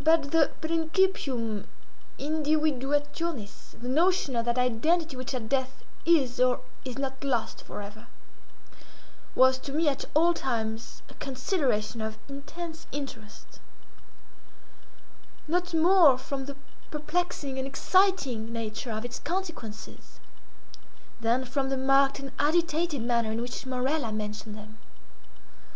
But the principium indivduationis, the notion of that identity which at death is or is not lost forever—was to me, at all times, a consideration of intense interest; not more from the perplexing and exciting nature of its consequences, than from the marked and agitated manner in which Morella mentioned them.